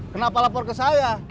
kenapa lapor ke saya